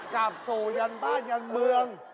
กลับสู่ยันบ้านยันเมือง